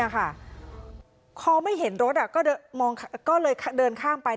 พอไม่เห็นรถก็เลยเดินข้ามไป